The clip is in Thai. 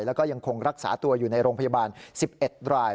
แล้วก็ยังคงรักษาตัวอยู่ในโรงพยาบาล๑๑ราย